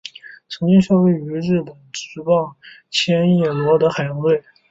曾经效力于日本职棒千叶罗德海洋队。